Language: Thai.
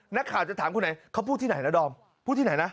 นักข่าวจะถามคุณไหนเขาพูดที่ไหนนะดอมพูดที่ไหนนะ